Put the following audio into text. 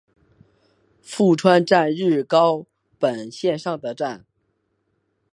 富川站日高本线上的站。